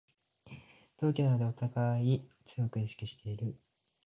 同期なのでおたがい強く意識してる